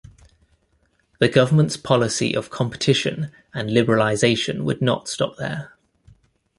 The government's policy of competition and liberalization would not to stop there.